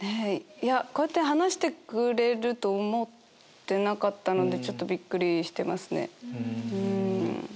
こうやって話してくれると思ってなかったのでちょっとびっくりしてますね。